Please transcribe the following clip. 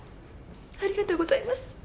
ありがとうございます！